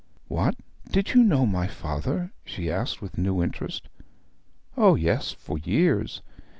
'What, did you know my father?' she asked with new interest. 'O yes, for years.